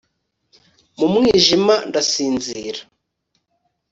mu mwijima ndasinzira